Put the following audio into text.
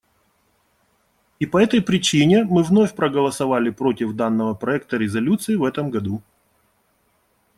И по этой причине мы вновь проголосовали против данного проекта резолюции в этом году.